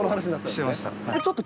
してました。